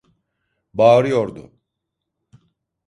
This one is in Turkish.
Bağırıyordu.